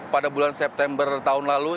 pada bulan september tahun lalu